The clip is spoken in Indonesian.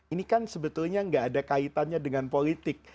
ini kan sebetulnya tidak ada kaitannya dengan kementrian agama